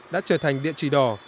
đã trở thành địa chỉ đỏ